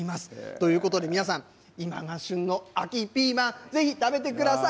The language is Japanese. ということで皆さん今が旬の秋ピーマンぜひ、食べてください。